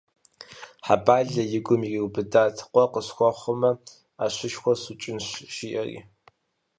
Хьэбалэ и гум ириубыдат, къуэ къысхуэхъумэ, ӏэщышхуэ сыукӏынщ жиӏэри.